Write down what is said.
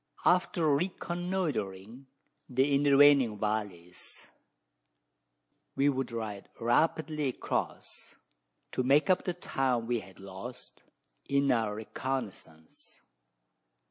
After reconnoitring the intervening valleys, we would ride rapidly across, to make up the time we had lost in our reconnoissance.